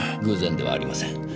偶然ではありません。